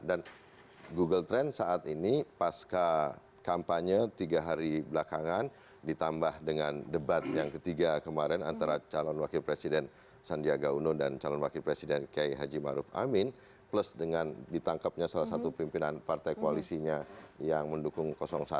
dan google trend saat ini pasca kampanye tiga hari belakangan ditambah dengan debat yang ketiga kemarin antara calon wakil presiden sandiaga uno dan calon wakil presiden k h maruf amin plus dengan ditangkapnya salah satu pimpinan partai koalisinya yang mendukung satu